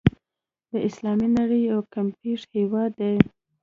د اسلامي نړۍ یو کمپېښ هېواد دی.